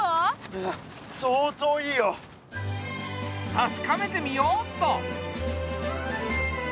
確かめてみようっと。